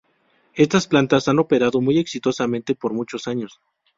Estas plantas han operado muy exitosamente por muchos años.